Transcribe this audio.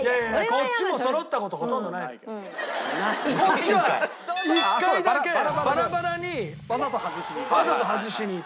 こっちもこっちは１回だけバラバラにわざと外しにいった。